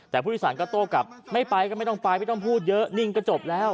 แต่ผู้โดยสารก็โต้กลับไม่ไปก็ไม่ต้องไปไม่ต้องพูดเยอะนิ่งก็จบแล้ว